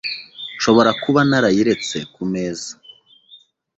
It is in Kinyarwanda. Nshobora kuba narayiretse kumeza.